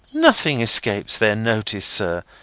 "Nothing escapes their notice, sir.